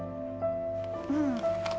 うん。